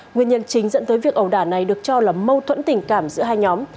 nguyên nhân chính dẫn tới việc ẩu đả này được cho là mâu thuẫn tình cảm giữa hai nhóm